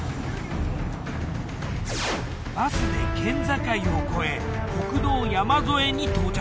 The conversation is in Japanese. バスで県境を越え国道山添に到着。